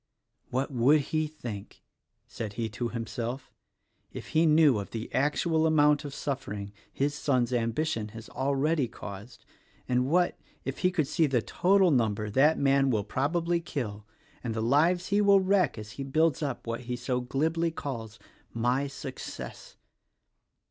"What would he think," said he to himself, "if he knew of the actual amount of suffering his son's ambition has already caused, and what, if he could see the total number that man will probably kill and the lives he will wreck as he builds up what he so glibly calls 'My success.'